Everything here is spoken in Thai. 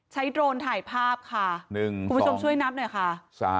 โดรนถ่ายภาพค่ะคุณผู้ชมช่วยนับหน่อยค่ะ